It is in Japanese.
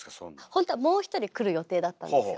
ほんとはもう一人来る予定だったんですよ。